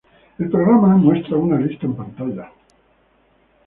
El programa muestra una lista en pantalla.